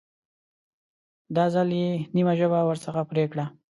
دا ځل یې نیمه ژبه ورڅخه پرې کړه.